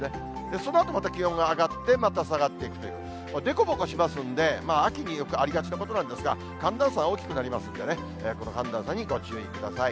そのあとまた気温が上がって、また下がっていくという、でこぼこしますんで、秋によくありがちなことなんですが、寒暖差が大きくなりますんでね、この寒暖差にご注意ください。